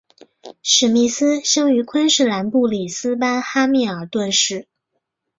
史密斯生于昆士兰布里斯班哈密尔顿市。